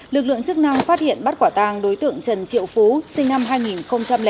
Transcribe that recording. lực lượng chức năng phát hiện bắt quả tàng đối tượng trần triệu phú sinh năm hai nghìn bốn